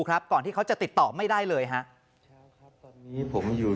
ครับก่อนที่เขาจะติดต่อไม่ได้เลยครับตอนนี้ผมอยู่